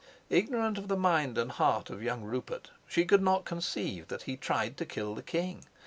Ignorant of the mind and heart of young Rupert, she could not conceive that he tried to kill the king.